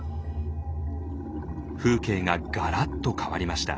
風景がガラッと変わりました。